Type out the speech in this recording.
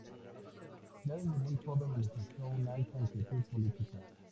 Ya desde muy joven manifestó una alta inquietud política.